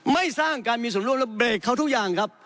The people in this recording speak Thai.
ไม่สร้างการมีส่วนร่วมแล้วเบรกเขาทุกอย่างครับ